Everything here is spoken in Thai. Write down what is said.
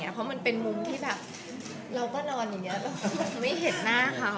เพราะมันเป็นมุมที่แบบเราก็นอนอย่างนี้เราจะไม่เห็นหน้าเขา